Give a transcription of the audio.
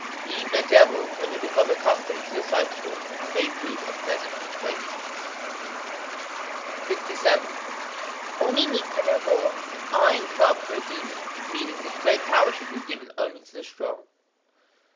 _ Even a devil, when you become accustomed to the sight of him, may prove a pleasant acquaintance. 67.—Oni ni kanabō. An iron club for a demon. Meaning that great power should be given only to the strong.